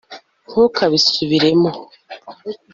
ntukabisubiremo